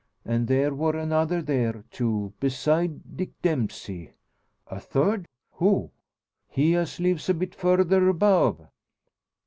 An' there wor another there, too, beside Dick Dempsey." "A third! Who?" "He as lives a bit further above."